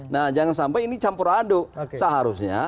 nah jangan sampai ini campur aduk seharusnya